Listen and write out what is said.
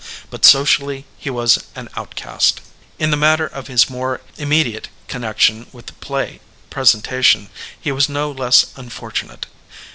But socially he was an out cast. In the matter of his more inomediate connec tion with play presentation he was no less unfortu nate.